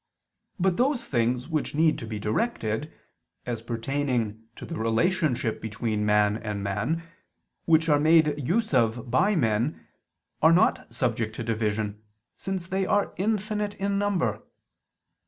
But those things which need to be directed, as pertaining to the relationship between man and man, and which are made use of by men, are not subject to division, since they are infinite in number.